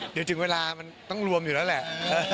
เดี๋ยวถึงเวลามันต้องรวมอยู่แล้วแหละ